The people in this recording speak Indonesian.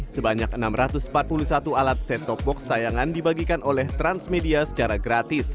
sebanyak enam ratus empat puluh satu alat set top box tayangan dibagikan oleh transmedia secara gratis